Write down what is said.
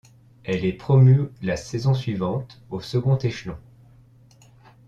Elle est promue la saison suivante au second échelon.